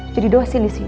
jadi dosen disini